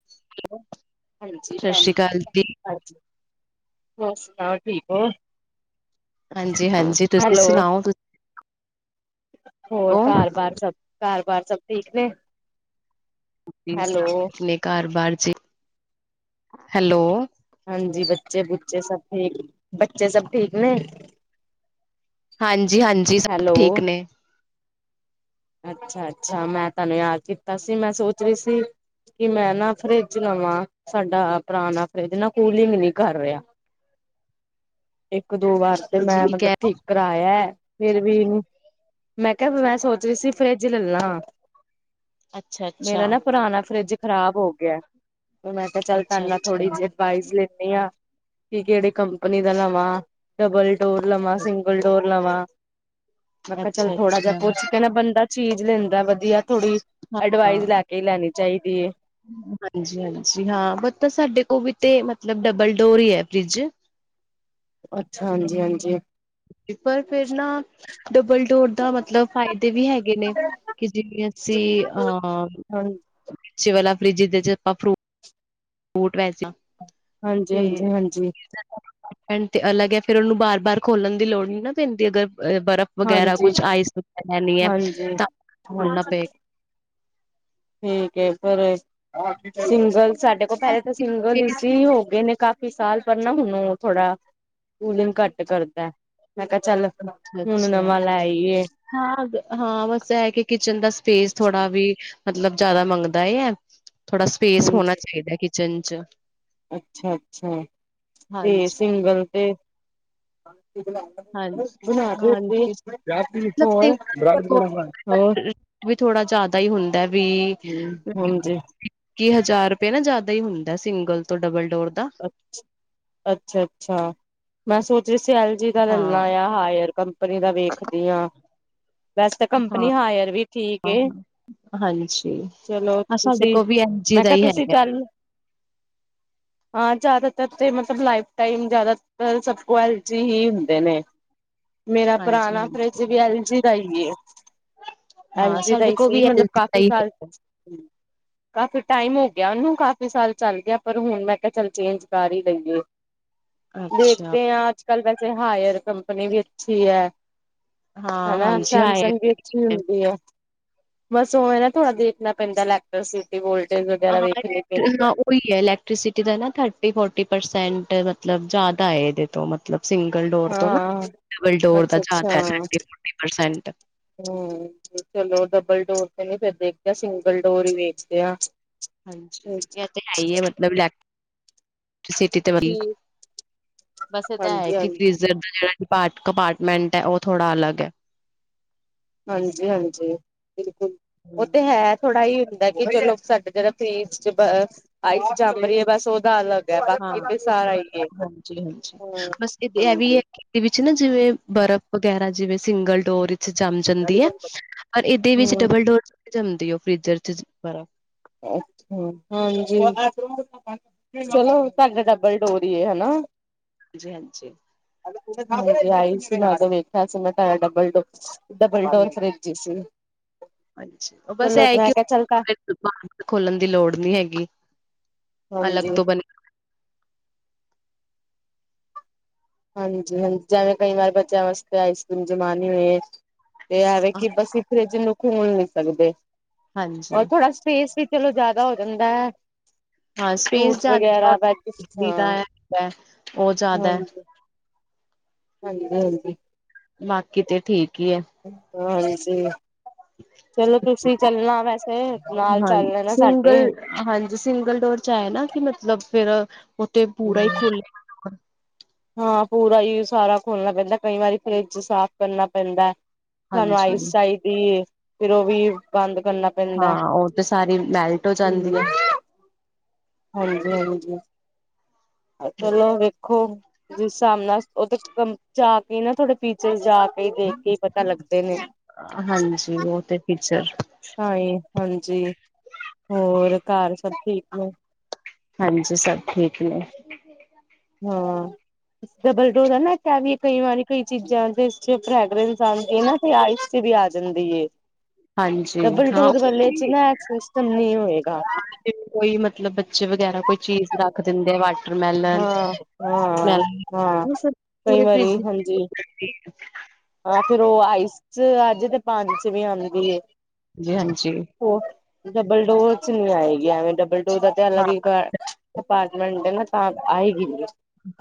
[inaudible] ਸਤਿ ਸ਼੍ਰੀ ਅਕਾਲ ਜੀ। ਹਾਂਜੀ ਹੋਰ ਸੁਣਾਓ ਠੀਕ ਹੋ। ਹਾਂਜੀ -ਹਾਂਜੀ ਤੁਸੀਂ ਹੈਲੋ ਸੁਣਾਓ। ਹੋਰ ਹੋ? ਘਰ ਬਾਹਾਰ ਸਭ ਘਰ ਬਾਹਾਰ ਸਭ ਠੀਕ ਨੇ। ਹੈਲੋ ਣੇ ਘਰ ਬਾਹਰ ਜੀ। ਹੈਲੋ ਹਾਂਜੀ ਬੱਚੇ ਬੁੱਚੇ ਸਭ ਠੀਕ ਬੱਚੇ ਸਭ ਠੀਕ ਨੇ। ਹਾਂਜੀ -ਹਾਂਜੀ ਸਭ ਹੈਲੋ ਠੀਕ ਨੇ। ਅੱਛਾ -ਅੱਛਾ ਮੈਂ ਤੁਹਾਨੂੰ ਯਾਦ ਕੀਤਾ ਸੀ ਮੈਂ ਸੋਚ ਰਹੀ ਸੀ। ਕਿ ਮੈਂ ਨਾ ਫਰਿੱਜ ਨਵਾਂ ਸਾਡਾ ਪੁਰਾਣਾ ਫਰਿਜ਼ ਨਾ ਕੂਲਿੰਗ ਨਹੀਂ ਕਰ ਰਿਹਾ ਇੱਕ ਦੋ ਵਾਰ ਤੇ ਹਾਂਜੀ ਮੈਂ ਕੀ ਮਤਲੱਬ ਕਹਿ ਠੀਕ ਕਰਾਇਆ ਫਿਰ ਵੀ ਇਹਨੂੰ ਮੈਂ ਕਿਹਾ ਮੈਂ ਸੋਚ ਰਹੀ ਸੀ ਫਰਿੱਜ ਲੱਲਾਂ ਮੇਰਾ ਅੱਛਾ-ਅੱਛਾ, ਨਾ ਪੁਰਾਣਾ ਫਰਿੱਜ ਖ਼ਰਾਬ ਹੋ ਗਿਆ। ਮੈਂ ਤਾਂ ਚੱਲ ਤੁਹਾਡੇ ਨਾਲ ਥੋੜ੍ਹੀ ਅੱਛਾ-ਅੱਛਾ, ਜਿਹੀ ਅਡਵਾਈਸ ਲੈਂਣੀ ਆਂ ਕਿ ਕਿਹੜੀ ਕੰਪਨੀ ਦਾ ਲਵਾਂ। ਡਬਲ ਡੋਰ ਲਵਾਂ ਸਿੰਗਲ ਡੋਰ ਲਵਾਂ ਮੈਂ ਕਿਹਾ ਚਲ ਥੋੜਾ ਜਿਹਾ ਅੱਛਾ-ਅੱਛਾ ਪੁੱਛ ਕਿ ਬੰਦਾ ਚੀਜ਼ ਲੈਂਦਾ ਵਧੀਆ ਥੋੜੀ, ਅਡਵਾਈਸ ਹਾਂ। ਲੈ ਕੇ ਹੀ ਲੈਣੀ ਚਾਹੀਦੀ ਏ। ਹਾਂਜੀ-ਹਾਂਜੀ। ਹਾਂ, ਪਤਾ ਸਾਡੇ ਕੋਲ ਵੀ ਤੇ ਮਤਲੱਬ ਡਬਲ ਡੋਰ ਹੀ ਐ ਫਰਿਜ ਅੱਛਾ, ਹਾਂਜੀ-ਹਾਂਜੀ। ਪਰ ਫਿਰ ਨਾ ਡਬਲ ਡੋਰ ਦਾ ਮਤਲੱਬ ਫਾਇਦੇ ਵੀ ਹੈਗੇ ਨੇ। ਕਿ ਜਿਵੇਂ ਅਸੀਂ ਅਹ ਹਾਂ ਨੀਚੇ ਵਾਲਾ ਫਰਿਜ ਦੇ ਆਪਾਂ ਫਰੂਟ [unintelligible] ਹਾਂਜੀ ਹਾਂਜੀ ਹਾਂਜੀ ਤੇ ਅਲੱਗ ਐ ਫ਼ਿਰ ਉਹਨੂੰ ਬਾਰ-ਬਾਰ ਖੋਲਣ ਦੀ ਲੋੜ ਨੀ ਨਾ ਪੈਂਦੀ ਅਗਰ ਬਰਫ਼ ਵਗੈਰਾ ਹਾਂਜੀ ਕੁੱਛ ਆਈਸ ਲੇਨੀ ਐ ਹਾਂਜੀ ਤਾਂ ਖੁੱਲਣਾ ਹਾਂਜੀ ਪਏਗਾ। ਠੀਕ ਐ ਪਰ ਏ ਸਿੰਗਲ, ਸਾਡੇ ਕੋਲ ਪਹਿਲੇ ਤਾਂ ਸਿੰਗਲ ਇ ਹੀ ਹੋ ਗਏ ਨੇ ਕਾਫੀ ਸਾਲ ਪਰ ਨਾ ਹੁਣ ਥੋੜਾ ਕੂਲਿੰਗ ਘੱਟ ਕਰਦਾ। ਮੈਂ ਕਿਹਾ ਚੱਲ ਹੁਣ ਨਵਾਂ ਲੈ ਆਈਏ। ਹਾਂ-ਹਾਂ, ਬਸ ਇਹ ਕਿ ਕਿਚੱਨ ਦਾ ਸਪੇਸ ਥੋੜਾ ਵੀ ਮਤਲੱਬ ਜ਼ਿਆਦਾ ਮੰਗਦਾ ਐ, ਥੋੜਾ ਸਪੇਸ ਹੋਣਾ ਚਾਹੀਦਾ ਕਿਚਨ ਚ ਅੱਛਾ-ਅੱਛਾ, ਤੇ ਹਾਂਜੀ। ਸਿੰਗਲ ਤੇ [unintelligible] ਹਾਂਜੀ-ਹਾਂਜੀ ਮਤਲਬ ਹੋਰ-ਹੋਰ, ਸਿੰਗਲ ਵੀ ਥੋੜਾ ਜ਼ਿਆਦਾ ਹੀ ਹੁੰਦਾ ਰੂੰ। ਹਾਂਜੀ। ਤੀਹ ਹਜ਼ਾਰ ਰੁਪਏ ਨਾ ਜ਼ਿਆਦਾ ਹੀ ਹੁੰਦਾ ਸਿੰਗਲ ਤੋਂ ਡਬਲ ਡੋਰ ਦਾ। ਅੱਛਾ-ਅੱਛਾ, ਮੈਂ ਸੋਚ ਰਹੀ ਸੀ ਐਲ ਜੀ ਦਾ ਲੈਲਾ ਆ ਹਾਂ-ਹਾਂ-ਹਾਂ ਜਾਂ ਹਾਇਰ ਕੰਪਨੀ ਦਾ ਵੇਖਦੀ ਹਾਂ। ਵੈਸ ਤਾਂ ਕੰਪਨੀ ਹਾਇਰ ਵੀ ਠੀਕ ਏ, ਹਾਂਜੀ। ਚਲੋ ਹਾਂ ਸਾਡੇ ਤੁਸੀਂ ਕੋਲ ਵੀ ਐਲ ਜੀ ਮੈਂ ਦਾ ਕਿਹਾ ਹੀ ਤੁਸੀਂ ਹੈਗਾ। ਚੱਲ ਹਾਂ ਜ਼ਿਆਦਾਤਰ ਤੇ ਮਤਲੱਬ ਲਾਈਫ ਟਾਈਮ ਜਿਆਦਾਤਰ ਸਭ ਤੋਂ ਕੋਲ ਐਲ ਜੀ ਹੀ ਹੁੰਦੇ ਨੇ। ਮੇਰਾ ਹਾਂਜੀ ਪੁਰਾਣਾ ਫਰਿਜ ਹਾਂਜੀ। ਵੀ ਐਲ ਜੀ ਦਾ ਹੀ ਐ। ਅਲ ਹਾਂ ਜੀ ਦਾ ਸਾਡੇ ਹੀ ਕੋਲ ਸੀ ਵੀ ਮਤਲਬ ਐਲ ਜੀ ਦਾ ਕਾਫੀ ਹੀ ਸਾਲ ਹੈਗਾ। ਕਾਫੀ ਟਾਈਮ ਹੋ ਗਿਆ ਉਹਨੂੰ, ਕਾਫੀ ਸਾਲ ਚੱਲ ਗਿਆ ਪਰ ਹੁਣ ਮੈਂ ਚਲ ਚੇਂਜ ਕਰ ਹੀ ਲਈ ਏ, ਅੱਛਾ। ਦੇਖਦੇ ਆ ਅੱਜ ਚੱਲ ਵੈਸੇ ਹਾਇਰ ਕੰਪਨੀ ਵੀ ਅੱਛੀ ਐ ਹਾਂ ਹਨਾ ਹਾਂਜੀ ਹਾਂ ਸੈਮਸੰਗ ਵੀ ਚ ਹੁੰਦੀ ਐ, ਬਸ ਉਹ ਏ ਨਾ ਥੋੜਾ ਦੇਖਣਾ ਪੈਂਦਾ ਲੈਟਰਸਿਟ ਵੋਲਟੇਜ ਵਗੈਰਾ ਵੇਖਣੀ ਪੈਂਦੀ ਆ। ਹਾਂ ਉਹੀ ਇਲੈਕਟ੍ਰੀਸਿਟੀ ਦਾ ਨਾ ਥਰ-ਫੋਰਟੀ ਪਰਸੈਂਟ ਮਤਲਬ ਜ਼ਿਆਦਾ ਐ ਇਹਦੇ ਤੋਂ ਮਤਲਬ ਸਿੰਗਲ ਡੋਰ ਤੋਂ ਨਾ, ਹਾਂ ਡਬਲ ਡੋਰ ਦਾ ਅੱਛਾ ਅੱਛਾ ਜ਼ਿਆਦਾ ਥਰਟੀ- ਫੋਰਟੀ ਪਰਸੈਂਟ ਹਮ ਚਲੋ, ਡਬਲ ਡੋਰ ਤੇ ਨੀ ਫਿਰ ਦੇਖਦੇ ਸਿੰਗਲ ਡੋਰ ਹੀ ਵੇਖਦੇ ਆ। ਹਾਂਜੀ, ਠੀਕ ਇਹ ਤੇ ਹੈਈ ਏ ਮਤਲੱਬ ਲੈ ਸਿਟੀ ਤੇ ਹਾਂਜੀ ਬਸ ਇਹ ਤਾਂ ਹੈ ਕਿ ਹਾਂਜੀ ਫਰਿਜ਼ਰ ਦਾ ਜਿਹੜਾ ਕਪਾਟ ਕਪਾਰਟਮੈਂਟ ਏ, ਉਹ ਥੋੜਾ ਅਲੱਗ ਐ। ਹਾਂਜੀ-ਹਾਂਜੀ, ਬਿਲਕੁੱਲ ਉਹ ਹੂੰ ਤੇ ਹੈ। ਥੋੜ੍ਹਾ ਹੀ ਹੁੰਦਾ ਕਿ ਜਦੋ ਸਾਡਾ ਜਿਹੜਾ ਫਰਿਜ ਚੱ ਬਸ ਆਈਸ ਜੰਮ ਰਹੀ ਹੈ ਬਸ ਉਹਦਾ ਅਲੱਗ ਹੈ ਬਾਕੀ ਤੇ ਸਾਰਾ ਹੀ ਹੈ ਹਾਂ-ਹਾਂਜੀ-ਹਾਂਜੀ, ਹਾਂ ਬਸ ਇਹ ਵੀ ਹਾਂਜੀ ਐ। ਉਦੇ ਵਿੱਚ ਨਾ ਜਿਵੇਂ ਬਰਫ਼ ਵਗੈਰਾ ਜਿਵੇਂ ਸਿੰਗਲ ਡੋਰ ਜੰਮ ਜਾਂਦੀ ਐ ਔਰ ਇਹਦੇ ਵਿੱਚ ਡਬਲ ਡੋਰ ਨੀ ਜੰਮਦੀ ਉਹ ਫਰਿਜ਼ਰ ਚ ਜ਼ਿਆਦਾ ਅ ਹਾਂਜੀ ਚਲੋ ਸਾਡੇ ਡਬਲ ਡੋਰ ਹੀ ਏ ਹੈਨਾ। ਹਾਂਜੀ-ਹਾਂਜੀ। ਆਈ ਸੀ ਨਾ ਤਾਂ ਵੇਖਿਆ ਸੀ ਮੈਂ ਡਬਲ ਡੋਰ ਡਬਲ ਡੋਰ ਹਾਂਜੀ ਫਰਿਜ ਸੀ। ਹਾਂਜੀ, ਉਹ ਬਸ ਚਲੋ ਇਹ ਮੈਂ ਕਿ ਕਿਹਾ ਚੱਲ ਤਾਂ ਦੁਕਾਨ ਖੋਲਣ ਦੀ ਲੋੜ ਨੀ ਹੈਗੀ। ਅਲੱਗ ਹਾਂਜੀ ਤੋਂ ਬਨ ਹਾਂਜੀ-ਹਾਂਜੀ, ਜਿਵੇਂ ਕਈ ਵਾਰ ਬੱਚਿਆਂ ਵਾਸਤੇ ਆਈਸ ਕਰ੍ਰੀਮ ਜਮਾਨੀ ਹੋਏ। ਤੇ ਇਹ ਵੇ ਕਿ ਬਸੀ ਫਰਿੱਜ ਨੂੰ ਖੋਲ ਨੀ ਸਕਦੇ ਹਾਂਜੀ ਔਰ ਥੋੜਾ ਸਪੇਸ ਵੀ ਚਲੋ ਜਿਆਦਾ ਹੋ ਜਾਂਦਾ। ਹਾਂ ਸਪੇਸ ਫਰੂਟਸ ਜ਼ਿਆਦਾ ਵਗੈਰਾ ਔਰ ਵੈਜਿਸ ਬਿਜਲੀ ਦਾ ਹਾਂ ਹੈ ਉਹ ਜ਼ਿਆਦਾ ਹੈ, ਹਾਂਜੀ ਹਾਂਜੀ ਹਾਂਜੀ ਬਾਕੀ ਤੇ ਠੀਕ ਹੀ ਹੈ ਹ ਹਾਂਜੀ ਚਲੋ ਤੁਸੀਂ ਚੱਲਣਾ ਵੈਸੇ ਨਾਲ ਹਾਂਜੀ ਚੱਲ ਲੈਣਾ ਸਾਡੇ ਸਿੰਗਲ ਹਾਂਜੀ ਸਿੰਗਲ ਡੋਰ ਚ ਆਏ ਨਾ ਕਿ ਮਤਲਬ ਫੇਰ ਉੱਥੇ ਪੂਰਾ ਹੀ ਖੁੱਲ ਹਾਂ ਪੂਰਾ ਹੀ ਸਾਰਾ ਖੋਲਣਾ ਪੈਂਦਾ ਕਈ ਵਾਰੀ ਫਰਿੱਜ ਸਾਫ਼ ਕਰਨਾ ਪੈਂਦਾ ਸਾਨੂੰ ਹਾਂਜੀ ਆਈਸ ਅਈ ਪੀ ਫਿਰ ਉਹ ਵੀ ਬੰਦ ਕਰਨਾ ਪੈਂਦਾ ਹਾਂ ਉਹ ਤੇ ਸਾਰੀ ਮੈਲਟ ਹੋ ਜਾਂਦੀ ਹੈ ਹਾਂਜੀ ਹਾਂਜੀ ਚਲੋ ਵੇਖੋ ਜਿਸ ਹਿਸਾਬ ਨਾਲ ਉਹ ਜਾ ਕੇ ਨਾ ਥੋੜੇ ਫੀਚਰ ਜਾ ਕੇ ਦੇਖ ਕੇ ਹੀ ਪਤਾ ਲੱਗਦੇ ਨੇ ਹਾਂਜੀ ਉਹ ਤੇ ਟੀਚਰ ਹਾਈ ਹਾਂ ਹਾਂਜੀ ਹੋਰ ਘਰ ਸਭ ਠੀਕ ਨੇ ਹਾਂਜੀ ਸਭ ਠੀਕ ਨੇ ਹਾਂ ਡਬਲ ਡੋਰ ਹੈ ਨਾ ਇ ਵੀ ਕਈ ਵਾਰੀ ਕਈ ਚੀਜ਼ਾਂ ਜ ਚ ਫੈਗਰੈਂਸ ਆਉਂਦੇ ਨਾ ਆਇਸ ਤੇ ਵੀ ਆ ਜਾਂਦੀਏ ਹਾਂਜੀ ਡਬਲ ਹਾਂ ਟੋਰ ਉਹ ਵੱਲੇ ਚ ਵੀ ਨਾ ਸਿਸਟਮ ਨ ਹੋਏਗਾ ਕੋਈ ਮਤਲਬ ਬੱਚੇ ਵਗੈਰਾ ਕੋਈ ਚੀਜ਼ ਰੱਖ ਦਿੰਦੇ ਵਾਟਰਮੈਲਨ ਹਾਂ ਹਾਂ ਮੇਲਨ ਹਾਂ ਕਈ ਪੂਰੇ ਵਾਰੀ ਫਰਿੱਜ ਹਾਂਜੀ ਸੀਡ ਹਾਂ ਫੇਰ ਉਹ ਆਈਸ ਚ ਅੱਜ ਤੇ ਪੰਜ ਚ ਵੀ ਆਉਂਦੀ ਜੀ ਹਾਂਜੀ ਹੋਰ ਡਬਲ ਡੋਰ ਚਨੀ ਆਏਗੀਵੇਂ ਡਬਲ ਡੋਰ ਦ ਤੇ ਹਾਂ ਅਲੱਗ ਹੀ ਅਪਾਰਟਮੈਂਟ ਨਾ ਤਾਂ ਆਏਗੀ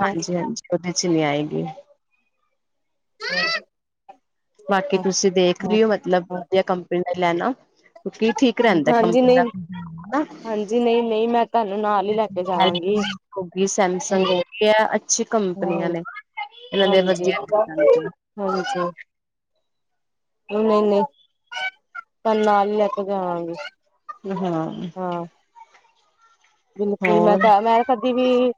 ਹਾਂਜੀ ਹਾਂਜੀ ਉਹਦੇ ਚ ਨੀ ਆਏਗੀ ਮਾਂ ਬਾਕੀ ਤੁਸੀਂ ਦੇਖ ਲਿਓ ਮਤਲਬ ਹਾਂ ਵਧੀਆ ਕੰਪਨੀ ਨੇ ਲੈਣਾ ਕਿ ਠੀਕ ਠੀਕ ਰਹਿੰਦਾ ਹੈ ਕੰਪਨੀਆਂ ਦਾ ਜੀ ਨਈ ਨਈ ਮੈਂ ਤਾਨੂੰ ਨਾਲ ਹੀ ਲੈ ਕੇ ਐਲ ਜਾਵਾਂਗੀ ਜੀ ਹੋ ਗਈ ਸੈਮਸੰਗ ਹਾਂਜੀ ਹੋ ਗਿਆ ਅੱਛੀ ਕੰਪਨੀਆਂ ਹਾਂ ਨੇ ਇਹਨਾਂ ਦੇ ਹਾਂਜੀ ਵਧੀਆ ਹਾਂਜੀ ਨਹੀਂ ਨਹੀਂ ਤ ਨਾਲ ਹੀ ਲੈ ਕੇ ਜਾਵਾਂਗੇ ਹਾਂ ਹਾਂ ਬਿਲਕੁਲ ਮੈਂ ਹੋਰ ਤਾਂ ਮੈਂ ਕਦੇ ਵੀ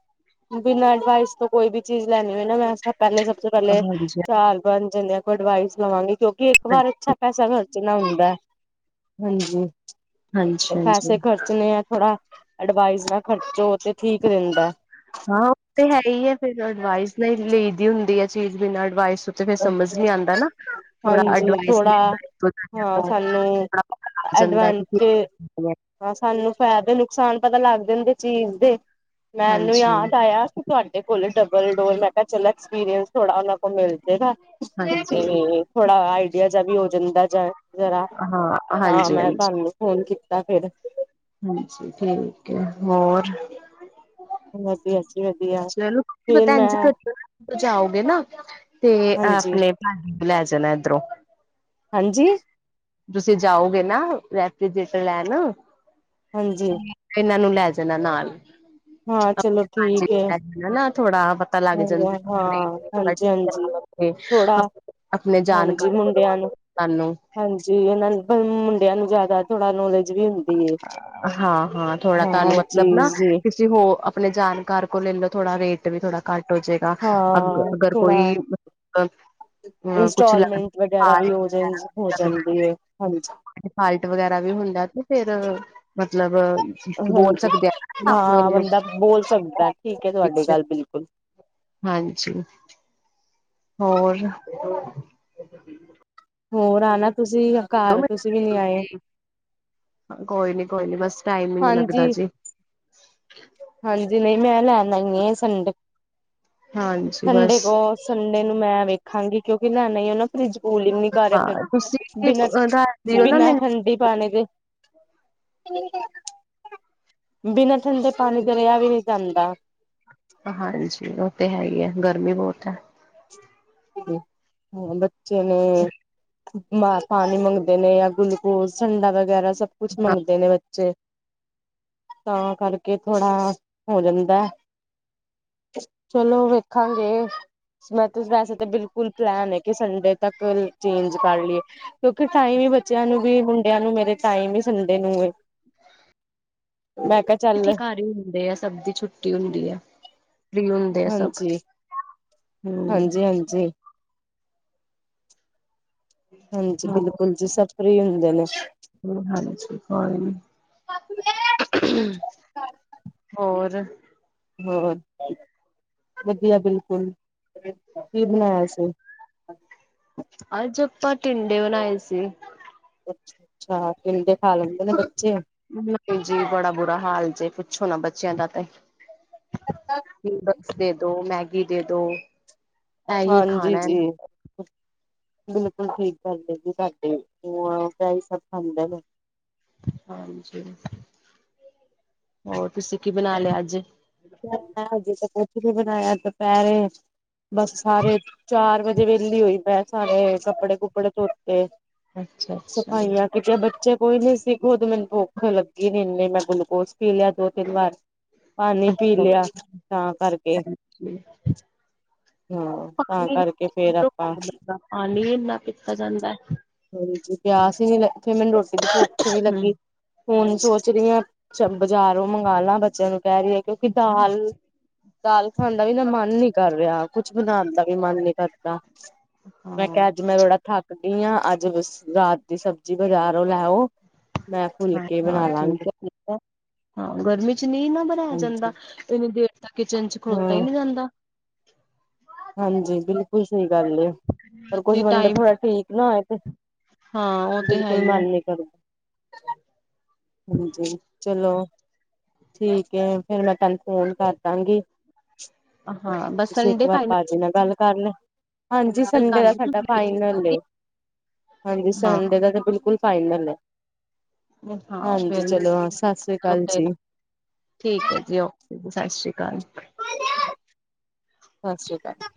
ਬਿਨਾਂ ਐਡਵਾਈਸ ਤੋਂ ਕੋਈ ਵੀ ਚੀਜ਼ ਲੈਣੀ ਹੋਏ ਨਾ ਮੈਂ ਪਹਿਲੇ ਸਭ ਤੋਂ ਪਹਿਲੇ ਹਾਂਜੀ ਚਾਰ ਪੰਜ ਜਾਣਿਆ ਕੋਲ ਐਡਵਾਈਸ ਲਵਾਂਗੀ ਕਿਉਂਕਿ ਇੱਕ ਵਾਰ ਅੱਛਾ ਪੈਸਣ ਖਰਚਣਾ ਹੁੰਦਾ ਹਾਂਜੀ ਹਾਂਜੀ ਤੇ ਹਾਂਜੀ ਪੈਸੇ ਖਰਚਣੇ ਆ ਥੋੜਾ ਅਡਵਾਈਸ ਨਾਲ ਖਰਚੋ ਤੇ ਠੀਕ ਰਹਿੰਦਾ ਹਾਂ ਉਹ ਤੇ ਹੈ ਹੀ ਹੈ ਫੇਰ ਅਡਵਾਈਸ ਨਾ ਲਈ ਦੀ ਹੁੰਦੀ ਆ ਚੀਜ਼ ਬਿਨਾਂ ਅਡਵਾਈਸ ਤੋਂ ਫਿਰ ਸਮਝ ਨੀ ਆਉਂਦਾ ਨਾ ਥੋੜਾ ਹਾਂਜੀ ਅਡਵਾਈਸ ਥੋੜਾ ਹਾਂ ਸਾਨੂੰ ਜਾਂਦਾ ਏ ਕਿਉੰਕੀ ਐਡਵਾਂਟੇ ਹੈ ਹਾਂ ਸਾਨੂੰ ਫਾਇਦੇ ਨੁਕਸਾਨ ਪਤਾ ਲੱਗ ਜਾਂਦੇ ਚੀਜ਼ ਦੇ ਮੈਨੂੰ ਹਾਂਜੀ ਯਾਦ ਆਇਆ ਤੁਹਾਡੇ ਕੋਲ ਡਬਲ ਡੋਰ ਮੈਂ ਕੇਆ ਚਲੋ ਐਕਸਪੀਰੀੰਸ ਥੋੜਾ ਉਹਨਾਂ ਕੋਲ ਮਿਲ ਜੇਗਾ ਹਾਂ ਤੇ ਥੋੜਾ ਆਈਡੀਆ ਜਾ ਵੀ ਹੋ ਜਾਂਦਾ ਜ਼ਰਾ ਤਾਂ ਹਾਂਜੀ ਮੈਂ ਹਾਂਜੀ ਤੁਹਾਨੂੰ ਫੋਨ ਕੀਤਾ ਫਿਰ ਹਾਂਜੀ ਠੀਕ ਹੈ ਹੋਰ ਵਧੀਆ ਜੀ ਵਧੀਆ ਸਾਨੂੰ ਕੀ ਫਿਰ ਪਤਾ ਇੰਝ ਮੈਂ ਕਰ ਜਾਓਗੇ ਨਾ ਤੇ ਹਾਂਜੀ ਆਪਣੇ ਲੈ ਜਾਣਾ ਇਧਰੋ ਹਾਂਜੀ ਤੁਸੀਂ ਜਾਓਗੇ ਨਾ ਰੈਫ੍ਰਿਜਰੇਟਰ ਲੈਣ ਹਾਂਜੀ ਇਨਾਂ ਨੂੰ ਲੈ ਜਾਣਾ ਨਾਲ ਹਾਂ ਚਲੋ ਠੀਕ ਏ [unintelligible] ਨਾ ਥੋੜਾ ਪਤਾ ਲੱਗ ਹਾਂਜੀ ਹਾਂ ਜਾਂਦਾ ਹਾਂਜੀ ਹਾਂਜੀ ਥੋੜਾ [unintelligible] ਆ ਹਾਂਜੀ, ਮੁੰਡਿਆਂ ਨੂੰ ਸਾਨੂੰ ਹਾਂਜੀ, ਇਨਾਂ ਨੂੰ ਮੁੰਡਿਆਂ ਨੂੰ ਜ਼ਿਆਦਾ ਥੋੜਾ ਨੋਲੇਜ ਜਿਵੇ ਹੁੰਦੀ ਏ। ਹਾਂ ਹਾਂ, ਹਰ ਚੀਜ਼ ਦੀ ਜੇ ਹੋ ਆਪਣੇ ਜਾਣਕਾਰ ਕੋਲ ਲੈਲੋ ਥੋੜਾ ਰੇਟ ਤੇ ਵੀ ਥੋੜਾ ਘੱਟ ਹੋ ਜਾਏਗਾ ਅੱ ਹਾਂ -ਅਗਰ ਥੋੜਾ ਕੋਈ ਕੁਛ ਲੱਗ ਇੰਸਟਾਲਮੈਂਟ ਵਗੈਰਾ ਵੀ ਹੋ -ਹੋ ਜਾਂਦੀ ਏ, ਹਾਂਜੀ ਹਾਇਟ ਵਗੈਰਾ ਵੀ ਹੁੰਦਾ ਤੇ ਫੇਰ ਮਤਲਬ ਬੋਲ ਹਾਂਜੀ ਸਕਦੇ ਆ ਹਾਂ ਬੰਦਾ ਬੋਲ ਸਕਦਾ ਠੀਕ ਹੈ [unintelligible] ਤੁਹਾਡੀ ਵਿੱਚ ਗੱਲ ਬਿਲਕੁਲ ਹਾਂਜੀ ਹੋਰ ਹੋਰ ਆ ਨਾ ਤੁਸੀਂ ਘਰ ਤੁਸੀਂ ਵੀ ਨੀ ਆਏ ਕੋਈ ਨੀ -ਕੋਈ ਨੀ ਬਸ ਟਾਈਮ ਈ ਨੀ ਲੱਗਦਾ ਹਾਂਜੀ ਜੀ ਹਾਂਜੀ, ਨਹੀਂ ਮੈਂ ਲੈ ਲਈ ਆ ਸੰਡੇ। ਹਾਂਜੀ ਸੰਡੇ ਬਸ ਕੋਲ [unintelligible] ਸੰਡੇ ਨੂੰ ਮੈਂ ਵੇਖਾਂਗੀ ਕਿਉਂਕਿ ਲੈਣਾ ਹੀ ਹੈ ਨਾ ਫਰਿਜ ਕੂਲਿੰਨੀ ਕਰਿਆ ਫਿਰ, ਹਾਂ ਤੁਸੀਂ ਬਿਨਾਂ ਦੱਸ ਦਿਓ ਨਾ ਬਿਨਾਂ ਠੰਡੀ ਮੈਨੂੰ ਪਾਣੀ ਦੇ ਬਿਨਾਂ ਠੰਡੇ ਪਾਣੀ ਤੋਂ ਰਿਆ ਵੀ ਨੀ ਜਾਂਦਾ ਹਾਂਜੀ, ਓ ਤੇ ਹੈ ਹੀ ਏ ਗਰਮੀ ਬੋਤ ਏ ਹਾਂ, ਬੱਚੇ ਨੇ ਪਾਣੀ ਮੰਗਦੇ ਨੇ ਜਾਂ ਗਲੂਕੋਜ, ਠੰਡਾ ਵਗੈਰਾ ਸਭ ਕੁਛ ਮੰਗਦੇ ਨੇ ਬ ਚੇ। ਤਾਂ ਕਰਕੇ ਥੋੜਾ ਹੋ ਜਾਂਦਾ ਚਲੋ ਵੇਖਾਂਗੇ। ਮੈਂ ਤੇ ਵੈਸੇ ਬਿਲਕੁਲ ਪਲੈਨ ਹੈ ਕਿ ਸੰਡੇ ਤੱਕ ਚੇਂਜ ਕਰ ਲਈਏ। ਕਿਉਂਕਿ ਟਾਈਮ ਹੀ ਬੱਚਿਆਂ ਨੂੰ ਵੀ, ਮੁੰਡਿਆਂ ਨੂੰ ਮੇਰੇ ਟਾਈਮ ਹੀ ਸੰਡੇ ਨੂੰ ਹੈ। ਮੈਂ [unintelligible] ਅਸੀਂ ਘਰ ਹੀ ਹੁੰਦੇ ਆ। ਸਭ ਦੀ ਛੁੱਟੀ ਹੁੰਦੀ ਆ। ਫਰੀ ਹੁੰਦੇ ਆ ਸਭ। ਹਾਂਜੀ, ਹਮ ਹਾਂਜੀ, ਹਾਂਜੀ ਹਾਂਜੀ, ਬਿਲਕੁਲ ਜੀ ਸਭ ਫ੍ਰਰੀ ਹੁੰਦੇ ਨੇ। [unintelligible] ਹੋਰ ਹੋਰ! ਵਧੀਆ ਬਿਲਕੁਲ, ਕਿ ਬਣਾਇਆ ਸੀ? ਅੱਜ ਆਪਾਂ ਟਿੰਡੇ ਬਣਾਏ ਸੀ। ਅੱਛ, ਅੱਛਾ ਟਿੰਡੇ ਖਾ ਲੈਂਦੇ ਨੇ ਬੱਚੇ ਨਹੀਂ ਜੀ, ਬੜਾ ਬੁਰਾ ਹਾਲ ਜੇ। ਪੁੱਛੋ ਨਾ ਬੱਚਿਆਂ ਦਾ ਤਾਂ ਦੇ ਦੋ ਮੈਗੀ ਦੇ ਦੋ। ਇਹੀ ਹਾਂਜੀ ਖਾਣਾ ਜੀ, ਜੀ। ਬਿਲਕੁਲ ਠੀਕ ਗੱਲ ਏ ਜੀ ਤੁਹਾਡੀ ਜੁਆਕ ਇਹੀ ਸਭ ਖਾਂਦੇ ਨੇ। ਹਾਂਜੀ, ਹੋਰ ਤੁਸੀਂ ਕੀ ਬਣਾ ਲਿਆ ਅੱਜ। ਹਜੇ ਤਾਂ ਕੁਛ ਨਹੀ ਬਣਾਇਆ ਦੁਪਹਿਰੇ! ਬਸ ਸਾਰੇ ਚਾਰ ਵਜੇ ਵਿਹਲੀ ਹੋਈ ਮੈਂ ਸਾਰੇ ਕੱਪੜੇ -ਕੁਪੜੇ ਧੋਤੇ। ਅੱਛਾ ਅੱਛਾ ਸਫਾਈਆਂ ਕੁਛ ਬੱਚੇ ਕੋਈ ਨੀ ਸੀ। ਤੇ ਮੈਨੂੰ ਭੁੱਖ ਲੱਗੀ ਨਈ ਇਨੀ ਮੈਂ ਗਲੂਕੋਸ ਪੀ ਲਿਆ ਦੋ- ਤਿੰਨ ਵਾਰ। ਪਾਣੀ ਪੀ ਅੱਛਾ ਲਿਆ, ਅੱਛਾ ਤਾਂ ਕਰਕੇ। ਹਾਂਜੀ ਹਾਂ! ਤਾਂ ਪਾਣੀ ਕਰਕੇ ਫੇਰ ਕਿਧਰੋਂ ਆਪਾਂ ਪਤਾ ਲੱਗਦਾ ਪਾਣੀ ਇੰਨਾ ਪਤਾ ਜਾਂਦਾ ਹਾਂਜੀ ਪਿਆਸ ਹੀ ਨੀ ਲਥੀ, ਮੈਨੂੰ ਰੋਟੀ ਦੀ ਭੁਖ ਨੀ ਹਮ ਲੱਗੀ, ਹੁਨ ਸੋਚ ਰਹੀਆਂ। ਬਾਜ਼ਾਰੋਂ ਮੰਗਣਾ ਬੱਚਿਆਂ ਨੂੰ ਕਹਿ ਰਹੀ ਹੈ। ਕਿਉਂਕਿ ਦਾਲ। ਦਾਲ- ਖਾਣ ਦਾ ਵੀ ਨਾ ਮਨ ਨੀ ਕਰ ਰਿਹਾ। ਕੁਛ ਬਣਾਉਣ ਦਾ ਵੀ ਮਨ ਨੀ ਕਰਦਾ। ਮੈਂ ਹਾਂ ਕਿਹਾ ਅੱਜ ਮੈਂ ਥੋੜਾ ਥੱਕ ਗਈ ਹਾਂ, ਅੱਜ। ਜ ਬਸ ਰਾਤ ਦੀ ਸਬਜ਼ੀ ਬਾਜ਼ਾਰੋਂ ਲੈ ਆਓ। ਮੈਂ ਫੁੱਲ ਹਾਂ- ਕੇ ਹਾਂ ਬਣਾ ਲਾਂਗੀ ਠੀਕ ਹੈ, ਠੀਕ ਹਾਂ। ਗਰਮੀ ਚ ਨੀ, ਨਾ ਬਣਾਇਆ ਜਾਂਦਾ ਹਾਂਜੀ ਇੰਨੀ ਦੇਰ। ਤਾਂ ਕਿਚਨ ਚ ਖੜੋਤਾ ਹੀ ਹਾਂ ਨਹੀਂ ਜਾਂਦਾ। ਹਾਂਜੀ ਬਿਲਕੁਲ ਸਹੀ ਗੱਲ ਰੈ। ਕੁਝ ਜੀ ਬੰਦਾ ਟਾਈਮ ਥੋੜਾ ਠੀਕ ਨਾ ਹੋਏ ਤੇ। ਹਾਂ ਉਹ ਤੇ ਹੈ ਬਿਲਕੁਲ ਹੀ ਹੈ ਮਨ ਨੀ ਕਰ। ਹਾਂਜੀ, ਚਲੋ। ਠੀਕ ਹੈ। ਫੇਰ ਮੈਂ ਤੈਨੂੰ ਫੋਨ ਕਰਦਾਂਗੀ। ਹਾਂ ਬਸ ਤੁਸੀਂ ਇੱਕ ਸੰਡੇ ਵਾਰ ਫਾਈਨਲ ਪਾਜੀ ਨਾਲ ਗੱਲ ਕਰ ਲੋ। ਹਾਂਜੀ ਸੰਡੇ ਕਰ ਦਾ ਲਈ ਸਾਡਾ ਫਾਈਨਲ ਏ। ਹਾਂਜੀ ਹਾਂ ਸੰਡੇ ਦਾ ਤਾਂ ਬਿਲਕੁਲ ਫਾਈਨਲ ਹੈ। ਹਾਂ, ਹਾਂਜੀ ਫੇਰ ਚਲੋ ਹਾਂ ਸਤਿ ਸ੍ਰੀ ਅਕਾਲ ਓਥੇ। ਜੀ ਠੀਕ ਹੈ ਜੀ, ਓਕੇ ਜੀ, ਸਤਿ ਸ਼੍ਰੀ ਅਕਾਲ। ਸਤਿ ਸ਼੍ਰੀ ਅਕਾਲ।